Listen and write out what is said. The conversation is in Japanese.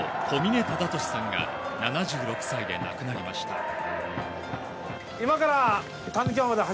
小嶺忠敏さんが７６歳で亡くなりました。